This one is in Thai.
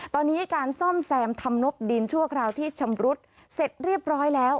ตอนนี้การซ่อมแซมทำนบดินชั่วคราวที่ชำรุดเสร็จเรียบร้อยแล้ว